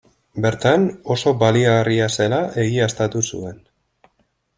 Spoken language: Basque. Bertan, oso baliagarria zela egiaztatu zuen.